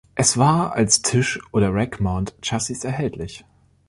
Es war als Tisch- oder Rackmount-Chassis erhältlich.